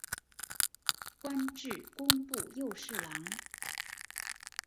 官至工部右侍郎。